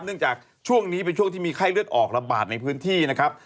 จากช่วงนี้เป็นช่วงที่มีไข้เลือดออกระบาดในพื้นที่นะครับ